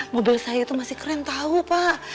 mobil saya itu masih keren tahu pak